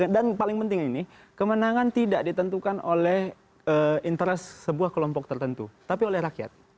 dan paling penting ini kemenangan tidak ditentukan oleh interes sebuah kelompok tertentu tapi oleh rakyat